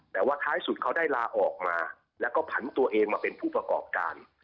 แต่ว่าท้ายสุดเขาได้ลาออกมาแล้วก็ผันตัวเองมาเป็นผู้ประกอบการ